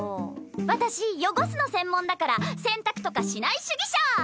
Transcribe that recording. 私汚すの専門だから洗濯とかしない主義者！